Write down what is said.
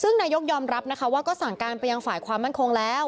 ซึ่งนายกยอมรับนะคะว่าก็สั่งการไปยังฝ่ายความมั่นคงแล้ว